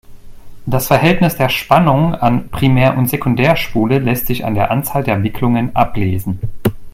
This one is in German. Das Verhältnis der Spannung an Primär- und Sekundärspule lässt sich an der Anzahl der Wicklungen ablesen.